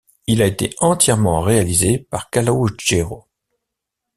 Il a été entièrement réalisé par Calogero.